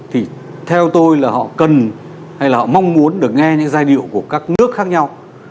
thì theo tôi là họ cần hay là họ mong muốn được nghe những giai điệu của các nước khác nhau